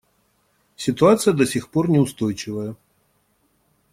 Ситуация до сих пор неустойчивая.